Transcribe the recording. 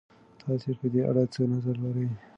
تاسې په دې اړه څه نظر لرئ؟